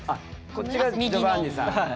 こっちがジョバンニさん。